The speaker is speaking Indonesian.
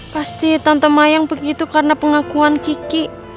pasti tante mayang begitu karena pengakuan kiki